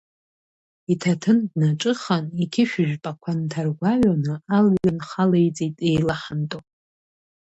Иҭаҭын днаҿыхан, иқьышә жәпақәа нҭаргәаҩоаны, алҩа нхалеиҵеит еилаҳанто.